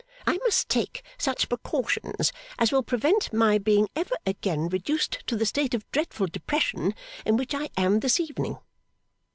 I must take such precautions as will prevent my being ever again reduced to the state of dreadful depression in which I am this evening.